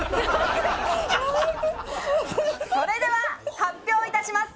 それでは発表いたします。